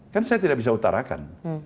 kan saya tidak bisa utarakan